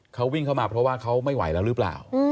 เขาวิ่งเข้ามาเพราะว่าเขาไม่ไหวแล้วหรือเปล่า